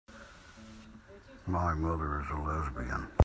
My mother is a lesbian.